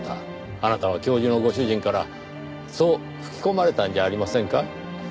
あなたは教授のご主人からそう吹き込まれたんじゃありませんか？